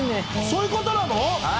そういう事なの？